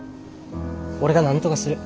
俺がなんとかする。